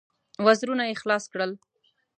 وزرونه يې خلاص کړل.